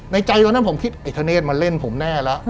ในใจตอนนั้นผมคิดเอกธเนธมาเล่นผมแน่แล้ว